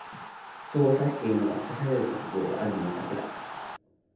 人を刺していいのは、刺される覚悟がある者だけだ。